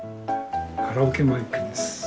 カラオケマイクです。